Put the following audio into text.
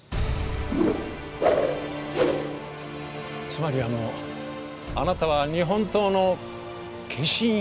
つまりあのあなたは日本刀の化身？